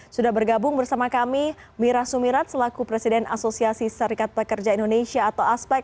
sudah bergabung bersama kami mira sumirat selaku presiden asosiasi serikat pekerja indonesia atau aspek